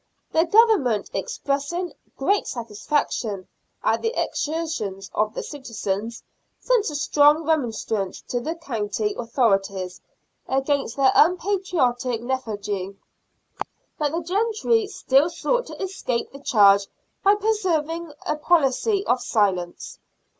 The Government, ex pressing great satisfaction at the exertions of the citizens, sent a strong remonstrance to the county authorities against their unpatriotic lethargy, but the gentry still sought to escape the charge by preserving a policy of silence.